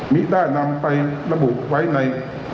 มิได้นำไประบุไว้ใน